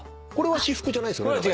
これは私服じゃないですよね？